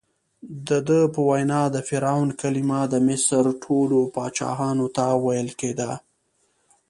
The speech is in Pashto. دده په وینا د فرعون کلمه د مصر ټولو پاچاهانو ته ویل کېده.